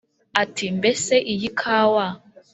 ati: “mbese iyi kawa